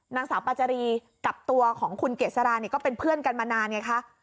นางสาวปาจารีกับตัวของคุณเกษราเนี่ยก็เป็นเพื่อนกันมานานไงคะ